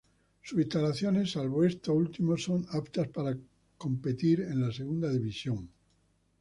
Sus instalaciones, salvo esto último, son aptas para competir en la Segunda División.